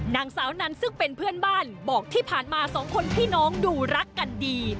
นางสาวนันซึ่งเป็นเพื่อนบ้านบอกที่ผ่านมาสองคนพี่น้องดูรักกันดี